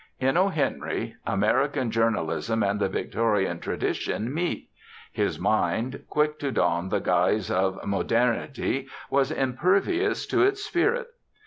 In O. Henry American journalism and the Victorian tradition meet. His mind, quick to don the guise of modernity, was impervious to its spirit.